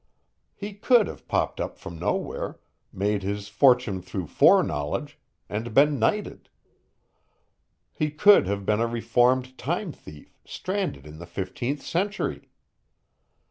He could have popped up from nowhere, made his fortune through foreknowledge, and been knighted. He could have been a reformed time thief stranded in the fifteenth century.